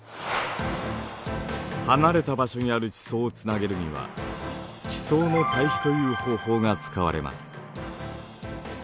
離れた場所にある地層をつなげるには地層の対比という方法が使われます。